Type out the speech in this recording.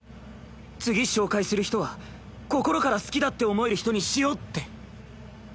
次紹介する人は心から好きだって思える人にしようって。